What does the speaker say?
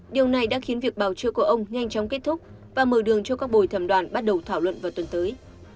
điều này đã khiến việc bảo chữa của ông nhanh chóng kết thúc và mở đường cho các bồi thẩm đoàn bắt đầu thảo luận vào tuần tới